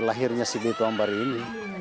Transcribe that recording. lahirnya si beton ambar ini